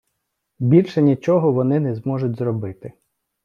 Більше нічого вони не зможуть зробити.